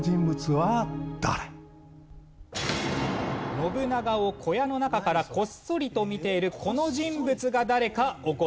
信長を小屋の中からこっそりと見ているこの人物が誰かお答えください。